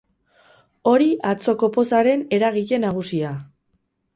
Hori atzoko pozaren eragile nagusia.